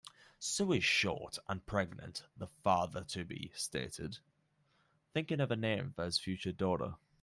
"Sue is short and pregnant", the father-to-be stated, thinking of a name for his future daughter.